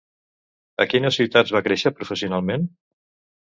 A quines ciutats va créixer professionalment?